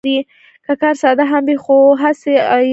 که کار ساده هم وي، خو هڅې یې ارزښتناکوي.